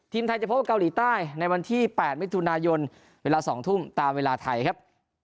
ทีมไทยจะพบกับเกาหลีใต้ในวันที่๘มิถุนายนเวลา๒ทุ่มตามเวลาไทยครับ